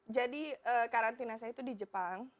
jadi karantina saya itu di jepang